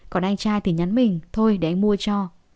còn anh trai thì nhắn mình thôi để anh mua cho